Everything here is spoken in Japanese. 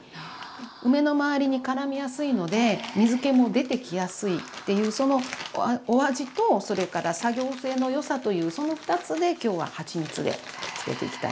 梅のまわりにからみやすいので水けも出てきやすいっていうそのお味とそれから作業性のよさというその２つで今日ははちみつで漬けていきたいと思います。